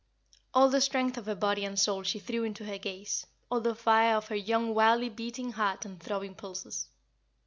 All the strength of her body and soul she threw into her gaze all the fire of her young wildly beating heart and throbbing pulses.